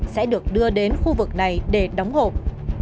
sẽ được đưa đến khu vực này để đóng hộp